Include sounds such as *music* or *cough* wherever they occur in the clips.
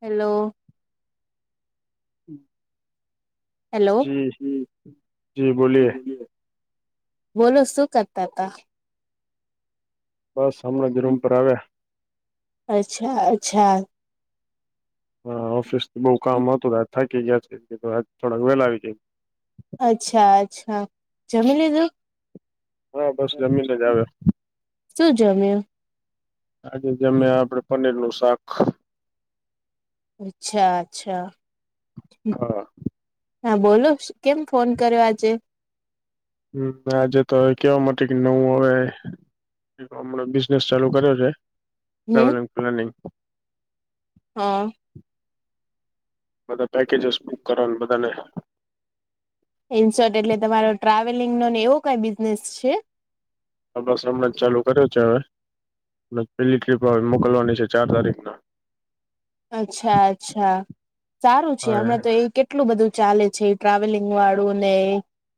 Hello. Hello જી, જી બોલીએ. બોલો સુ કરતા તા? બસ અમને જ રુમ પર આવ્યા. અચ્છા-અચ્છા. હા ઓફિસથી બઉ કામ હતું રાજ થાકી ગયા છે, આજ થોડાક વેલા આવી જા અચ્છા-અચ્છા, જમી લીધું? હા બસ જમીને જ આવ્યો શું જમ્યું? આજે જમ્યા આપડે પનીરનું શાક. અચ્છા-અચ્છા. હા હા બોલો, શું કેમ ફોન કર્યો આજે? હમ આજે તો હવે કેવા માટે કે નવું અવે હમણે બિઝનેસ ચાલુ કર્યો છે. હમ ટ્રાવેલિંગ પ્લાનિંગ. હ બધાં પેકેજસ બુક કરવા ન બધા ને. ઇનસોર્ટ એટલે તમારો ટ્રાવેલિંગનો ને એવો કઈ બિઝનેસ છે? આ બસ હમણાં જ ચાલુ કર્યો છે, હવે પેલી ટ્રીપ હવે મોકલવાની છે ચાર તારીખના. અચ્છા-અચ્છા. સારું છે, હા હમણાં તો એ કેટ કેટલું બધું ચાલે છે ટ્રાવેલિંગ વાળું ને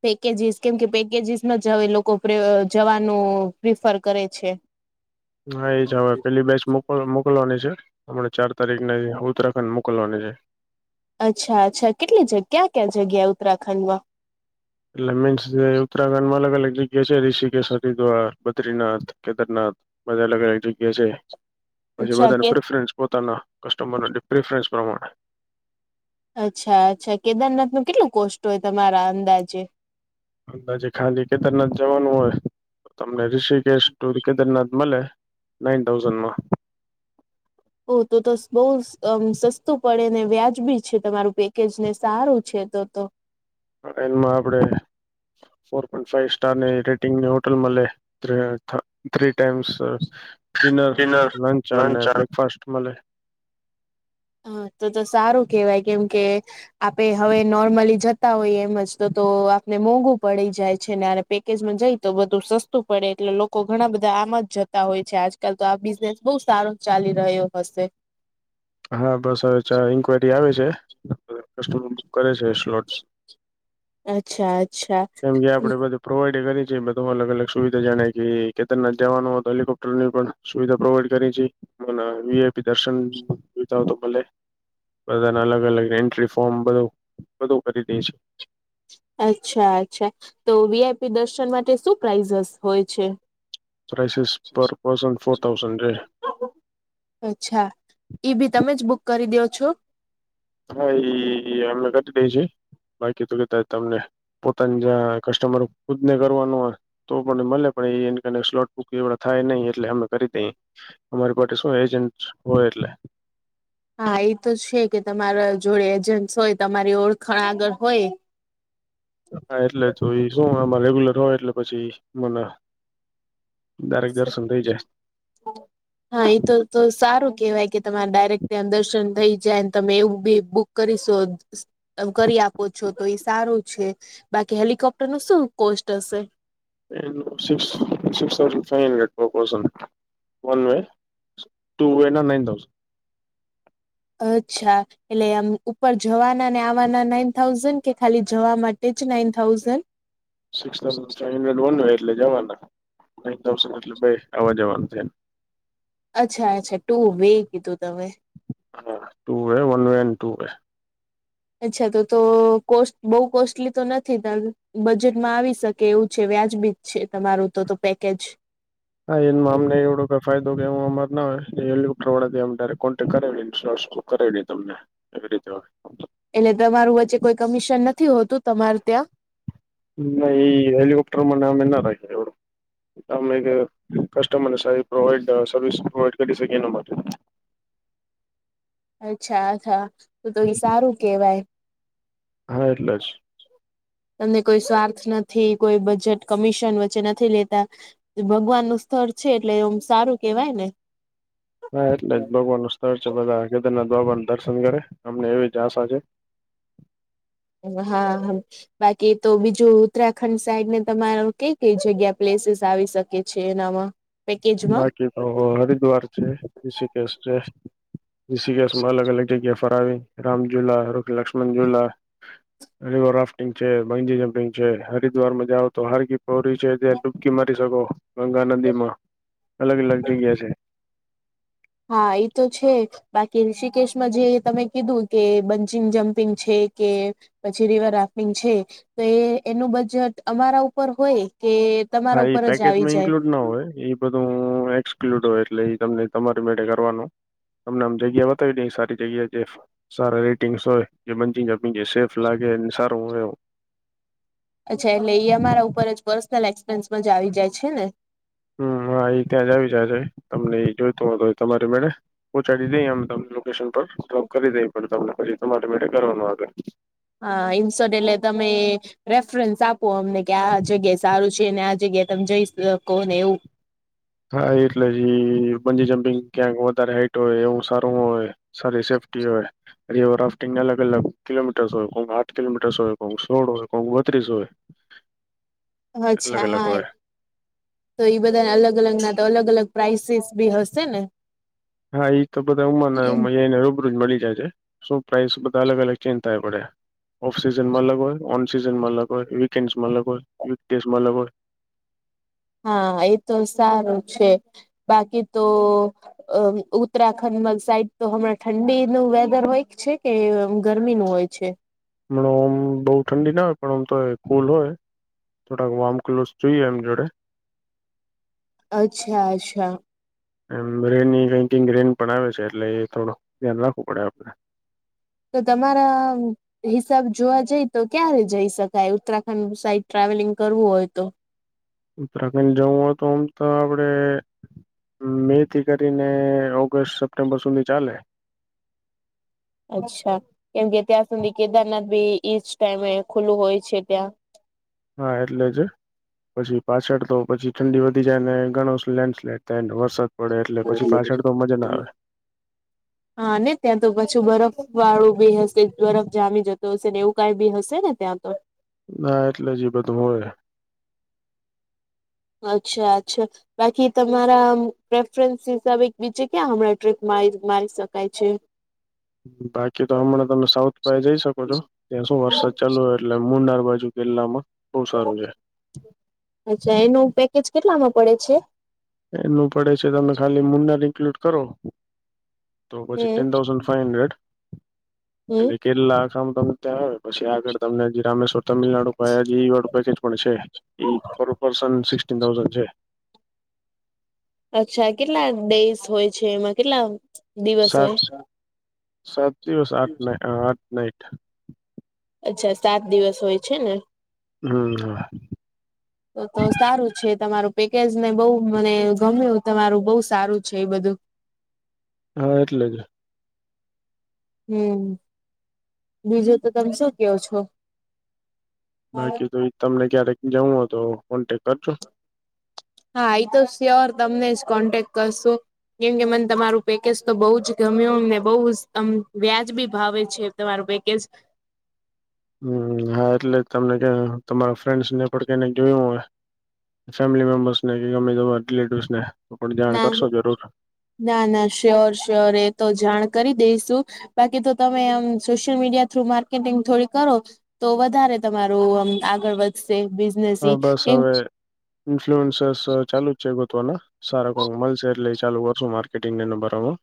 પેકેજીસ કેમ કે પેકેજીસમાં જ લોકો જવાનું પ્રિફર કરે છે. હા ઈજ હવે પેલી બેચ મોકલ મોકલવાની છે. હમણા ચાર તારીખ ને ઉત્તરાખંડ મોકલવાની છે. અચ્છા-અચ્છા કેટલી જગ્યા ક્યાં ક્યાં જગ્યા ઉત્તરાખંડમાં? એટલે મીન્સ જે ઉત્તરાખંડ માં અલગ-અલગ જગ્યા છે. ઋષિકેશ, હરિદ્વાર.... બદ્રીનાથ, કેદારનાથ બધાં અલગ અલગ જગ્યા છે. પછી અચ્છા બધાને કે પ્રિફરન્સ પોતાના કસ્ટમર પ્રિફરન્સ પ્રમાણે અચ્છા-અચ્છા. કેદારનાથ નું કેટલું કોસ્ટ હોય? તમારા અંદાજે. અંદાજે ખાલી કેદારનાથ જવાનું હોય, ઋષિકેશ ટુર, કેદારનાથ મળે નાઇન થાઉઝનમાં. ઓ તો તો સ બઉ અ સસ્તું પડે ને વ્યાજબી છે, તમારું પેકેજ ને સારું છે તો તો. અ ટેનમાં આપડે ફોર પોઈન્ટ ફાઈવ સ્ટાર ની રેટિંગની હોટલ મલે three times sir dinner, lunch અને બ્રેકફાસ્ટ મલે. હ તો-તો સારું કેવાય કેમ કે... આપે હવે નોર્મલી જતા હોઈએ એમઝ તો-તો આપને મોંઘુ પડી જાય છે ને. પેકેજમાં જઈ તો બધું સસ્તું પડે એટલે લોકો ઘણા બધા આમાં જ જતા હોય છે આજ કાલ તો આ બિઝનેસ બઉ સારો ચાલી રહ્યો હસે. હા બસ હવે ચા ઈન્કવાયરી આવે છે, કસ્ટમર બુક કરે છે સ્લોટ. અચ્છા અચ્છા કેમ કે આપડે બધુ પ્રોવાઈડે કરી છે બધું અલગ-અલગ સુવિધા જાણે કે કેદરનાથ જવાનો તો હેલિકોપ્ટરની પણ સુવિધા પ્રોવાઈડ કરી છ. વી. આઇ. પી દર્શન જોતા હો તો ભલે બધાના અલગ અલગ એન્ટ્રી ફોર્મ બધું બધું કરી દે છે. અચ્છા અચ્છા! તો વીઆઈપી દર્શન માટે શું પ્રાઈઝસ હોય છે? પ્રાસેસ પર પર્શન ફોર થાઝન્ડ રેય. અચ્છા ઈ ભી તમે જ બુક કરી દો છો? હા એ અમને કરી દે છે બાકી તો કેતા તમને પોતાની જં કસ્ટમર ખુદ ને કરવાનું હોય તો મને મળે પણ એ સ્લોટ બુક એ થાય નહીં એટલે અમે કરી દે અમારી પાસે શું એજન્ટ હોય એટલે. હા એ તો છે કે તમારા જોડે એજન્સ હોય તમારી ઓળખણ આગળ હોય. હા એટલે જો એ શું આમાં રેગ્યુલર હોય એટલે પછી મને ડાયરેક્ટ દર્શન થઈ જાય. હા એ તો તો સારું કેહેવાય કે તમારે ડાયરેક્ટ ત્યાં દર્શન થઇ જાય તમે એવું બી બુક કરીશો. ત કરી આપો છો તો એ સારું છે બાકી હેલિકોપ્ટર નું શું કોસ્ટ હશે? એ six six thousand five hundred four person one way. Two way ના નાઇન થઉસ. અચ્છા. એટલે આમ ઉપર જવાના ને આવાના નાઈન થાઉઝન્ડ કે ખાલી જવા માટે જ nine thousand? Six thousand five hundred one હોય એટલે જવાના નાન થાઉઝન્ડ એટલે ભ આવા જવાનું છેને. અચ્છા અચ્છા ટુ વે કીધું તમે. હા ટુ વન વે એ ટુ વે. અચ્છા તો તો કો બહુ કોસ્ટલી તો નથી ત બજેટમાં આવી શકે એવું છે વ્યાજબીજ છે તમારું તો તો પેકેજ. હા એ અમને એવડું ફાયદો કે એવું અમાર હો હેલિકોપ્ટર વાાથી કોન્ટેક્ટ કરાવી કરાવ તમને એવી રીતે હોય. એટલે તમારું વચ્ચે કોઈ કમિશન નથી હોતું તમાર ત્યાં? ન હલિકોપ્ટર મમેના એવું. તમે એક કસ્ટમર સા એ પ્રોવાઈડ સર્વિસ પ્રોવાઈડ કરી શકી એના માટે. અચ્છા હા તો તો એ સારું કેવાય. હા એટલે જ. તમને કોઈ સ્વાર્થ નથી કોઈ બજેટ કમિશન વચ્ચે નથી લેતા. ભગવાન નું સ્થળ છે એટલે એમ સારું કેવાય ને. હા એટલે જ ભગવાન નું સ્થળ છે બધા કેદારનાથ બાબા ના દર્શન કરે અમને એવી જ આશા છે. હા હા બાકી તો બીજું ઉત્તરાખંડ સાઈડ ને તમાર કઈ કઈ જગ્યા પ્લેસીસ આવી શકે. કે છે એ નામાં? બાકી તો હરિદ્વાર છે ઋષિકેશ છે. જી કેસમાં અલગ અલગ જગ્યા ફરાવી રામ ઝુલા, રુખ લક્ષ્મણ ઝુલા. રિવર રાફ્ટિંગ છે મજી જમ્પિંગ છે હરિદ્વારમાં જઓ તો હાર કોરી છે ત્યાં ડૂબકી મારી શકો ગંગા નદી માં અલગ અલગ જગ્યા છે. હા એ તો છે. બાકી ઋષિકેશમાં જે તમે કીધું કે બંચિંગ જમ્પિંગ છે કે પછી રિવર રાફ્ટિંગ છે તો એ એનું બજટ અમારા ઉપર હોય કે તમારા હા એ ઉપર જ પેકેજ આવી માં જાય ઈન્ક્લુડ ના હોય બધું એક્ક્લુ એટલે તમને તમારી મેળે કરવાનું. તમને આમ જગ્યા બતાવી નઈ સારી જગ્યાએ જે- સાર રેટિંગ્સ હોય જે મંજિગ જમ્પિંગ સેફ લાગે એ સારું. અચ્છા એટલે અમારા ઉપર જ પર્સનલ એક્સપિરયન્સમાં જ આવી જાય છે ને? હમ હા એ ત્યાં જ આવી જજ તમને એ જોઈતો હો તો તમારી મેળે. પહોચાડી દઈએ અમે તમને લોકેશન પર ડ્રોપ કરી દઈએ પડ તમને પછી તમારા મેળે કરવાનું આગળ. હા ઇન્સોડલે તમે રેફરન્સ આપો અમને કે આ જગ્યાએ સારું છે અને આ જગ્યાએ તમે જઈ શકો ને એવું હા એટલે જી બંજી જમ્પિંગ ક્યાંક વધારે હાઈટ હોય એવું સારું હોય સોરી સેફ્ટી હોય રિવર રાફ્ટિંગને અલગ અલગ કિલોમીટર્સ હોય કોક આઠ કિલોમીટર્સ હોય કોક સોળ હોય કોક બત્રીસ હોય. *inaudible* અલગ અચ્છા અલગ હોય હા. તો એ બધા અલગ અલગ ના તો અલગ અલગ પ્રાઇસીસ બી હશે ને હા ઈ તો બધા ઉમાના ઉમા જઈ રૂબરૂજ મળી જાય છે. શું પ્રાઇસ બધા અલગ અલગ ચેન્જ થાય પડે ઓફ સિઝન માં અલગ હોય ઓન સીઝન માં અલગ હોય, વીકેન્ડસમાં અલગ હોય, વીક ડેઝમાં અલગ હોય. હા એ તો સારું છે બાકી તો અ ઉત્તરાખંડ સાઈડ તો હમણાં ઠંડીનું વેધર હોય છે કે ગરમી નું હોય છે. હમણા ઓમ બઉુ ઠંડી ના હોય પણ ઓમ તો કુલ હોય. થોડાક વામ ક્લોસ જોઈએ એમ જોડે અચ્છા અચ્છા એમ રેન ની બેકિંગ ર્રેન પણ આવે છે એટલે એ થોડું ધ્યાન રાખવું પડે આપડે તો તમારા હિસાબ જોવા જઈ તો ક્યારે જઈ શકાય ઉત્તરાખંડ સાઈડ ટ્રાવેલિંગ કરવું હોય તો ઉત્તરાખંડ જવું હો તો આમ તો આપડે મે થી કરીને ઓગસ્ટ સપ્ટેમ્બર સુધી ચાલે. અચ્છા કેમ કે ત્યાં સુધી કેદારનાથ બી ઈસ્ટ ટાઈમે ખુલ્લું હોય છે ત્યાં હા એટલે જ પછી પાછળ તો પછી ઠંડી વધી જાય ને ઘણો લેન્ડ સ્લાઈડ થાયને વરસાદ પડે એટલે પછી પાછળ તો મજા ના આવે હા ને ત્યાં તો પછું બરફ વાળું બી હશે બરફ જામી જતો હશે ને એવું કઈ બી હશે ને ત્યાં તો ના એટલે જ એ બધું હોય. અચ્છા અચ્છા. બાકી તમારા પ્રેફરન્સ હિસાબે બીજે ક્યાં હમણાં ટ્રીપ મારી શકાય છે. બાકી તો હમણાં તમે સાઉથ પાય જઈ શકો છો ત્યાં શું વરસાદ ચાલુ હો એટલે મુંડાર બાજુ કેરલામાં બહુ સારું છે. અચ્છા એનું પેકેજ કેટલામાં પડે છે. એનું પડે છે તમે ખાલી મુંડર ઇન્ક્લુડ કરો તો પછી હમ ટેન થાઉઝન્ડ ફાઈવ હડ્રેડ હમ એટલે કેરલા આખામ તમે ત્યાં આવે પછી આગળ તમને જ રામે તમિલનાડુ પાયા જી વાળું પેકેજ પણ છેઈ પર પર્સન સિક્ન થાઉઝન્ડ છે. અચ્છા કેટલા ડેઇસ હોય છે એમાં કેટલા દિવસ સાત હોય સાત દિવસ આઠ ના આઠ નાઈટ અચ્છા સાત દિવસ હોય છે ને હમ્મ તો તો સારું છે તમારું પેકેજ ને બહુ મને ગમ્યું તમારું બહુ સારું છે એ બધું. હા એટલે જ હમ બીજું તો તમે શું કયો છો. બાકી તો તમને ક્યારેક જઉ હો તો કોન્ટેક કરજો. હા એ તો સ્યોર તમને જ કોન્ટેક્ટ કરશુ. કેમ કે મને તમારું પેકેજ તો બહુ જ ગમ્યુંને બહુજ વ્યાજબી ભાવે છે. તમારું પેકેજ હમ હા એટલે તમને ત્યાં તમારા ફ્રેન્ડસ ને પણ કને જોયું હો ફેમિલી મેબર્સને કે ગમે જવા રિલેટિવસ ને તો પણ જાણ ના કરશો જરૂર ના ના સ્યોર સ્યોર એ તો જાણ કરી દઈશું. બાકી તો તમે આમ સોશિયલ મીડિયા થુ માર્કેટિંગ થોડી કરો તો વધારે તમારું આમ આગળ વધશે. બિઝનેસ હા ઈ. બસ એમ હવે ઇન્ફ્લુઅન્સસ ચાલુ જ છે ગોતવાનુ. સારા કોંક મલશે એટલે ઈ ચાલુ કરશું માર્કેટિંગ ને નંબરમાં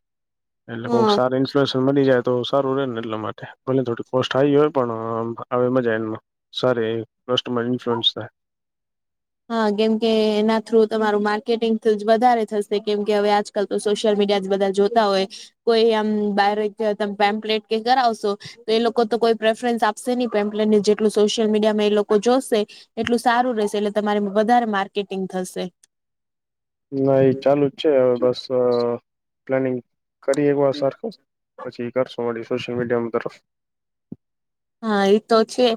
એટલે કોક હા સાર ઇન્ફ્લુએશન મળી જાય તો સારું રે ને એટલા માટે ભલે થોડી કોસ્ટ આવી હોય પણ આવે મજા એમાં સારી. પ્લસ તમારી ઇન્ફ્લુઅન્સ છે. હા કેમકે એના થ્રુ તમારું માર્કેટિંગ વધારે થશે કેમકે હવે આજ તો સોશિયલ મીડિયા બધા જોતા હોય કોઈ આમ બારે ક પેમ્પલેટ કે કરાવશો તો એ લોકો તો કોઈ પ્રેફરન્સ આપશે ની પેમ્પલેર ને જેટલું સોશિયલ મીડિયા માં એ લોકો જોશે એટલું સારું રહેશે એટલે તમારી વધારે માર્કેટિંગ થશે. ના એ ચાલુ જ છે હવે બસ પ્લાનિંગ કરી એકવાર સરખું. પછી કરશું વળી સોશિયલ મીડિયા મ તરફ. હા એ તો છે.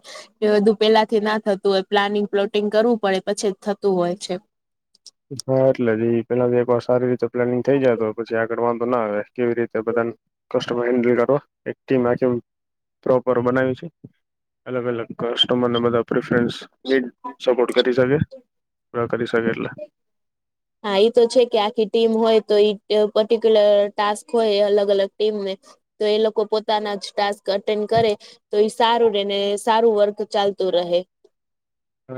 એ બધું પેલાથી ના થતું હોય પ્લાનિંગ પ્લોટિંગ કરવું પડે પછી જ થતું હોય છે. હા એટલે જ એ પેલા તો એક વાર સારી રીતે પ્લાનિંગ થઈ જાય તો પછી આગળ વાઘો ના આવે. કેવી રીતે બધા ન *unintelligible* પ્રોપર બનાયુ છે. અલગ અલગ કસ્ટમરને બધા પ્રફરન્સ જે સપોર્ટ કરી શકે. *unintelligible* કરી શકે એટલે. હા એ તો છે કે આખી ટીમ હોય તો પર્ટિક્યુલર ટાસ્ક હોય અલગ અલગ ટીમને તો એ લોકો પોતાના જ ટાસ્ક અટેન્ડ કરે. તો ઈ સારું રે ને સારું વર્ક ચાલતું રહે.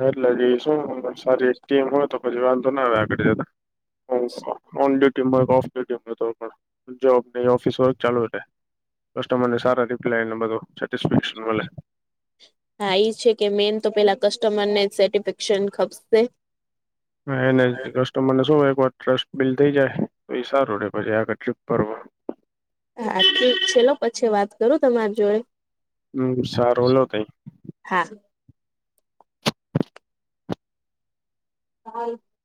એટલે કે શું સારી એક ટીમ હોય તો પછી વાંધો ના આવે આગળ જતા. *inaudible* ઓન ડ્યુટી માં *unintelligible* *inaudible* જોબ ને ઓફિસ વર્ક ચાલુ રે. કસ્ટમર ને સારા રિપ્લાય ને બધું સેટિફિક્સ મલે. હા એ છે કે મેન તો પેલા કસ્ટમરને સેટિસ્ફેક્શન ખપશે. હા એને કસ્ટમર ને શું હો એક વાર ટ્રસ્ટ બિલડ થઈ જાય તો એ સારું રે પછી આગળ ટ્રીપ કરવા. હા ઠીક છે, લો પછી વાત કરું તમારી જોડે. હમ્મ, સારો લો તઈ. હા. હા.